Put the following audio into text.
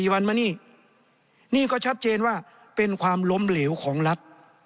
วันมานี่นี่ก็ชัดเจนว่าเป็นความล้มเหลวของรัฐ